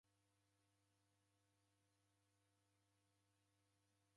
Soghoda kavui nikulonguye.